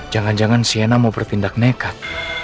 jangan jangan cnn mau bertindak nekat